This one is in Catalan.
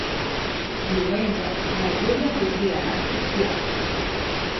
Diumenge na Júlia voldria anar a Crespià.